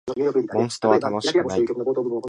モンストは楽しくない